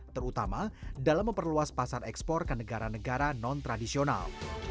terutama dalam memperluas pasar ekspor ke negara negara non tradisional